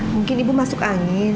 mungkin ibu masuk angin